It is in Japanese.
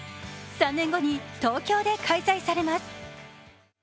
３年後に東京で開催されます。